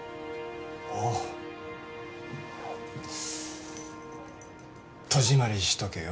ああ戸締まりしとけよ